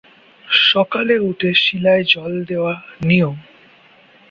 সকালে উঠে শিলায় জল দেওয়া নিয়ম।